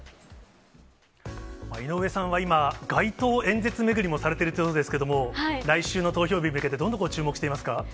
井上さんは今、街頭演説巡りもされているということですけれども、来週の投票日に向けて、どんなところ、注目されていますか？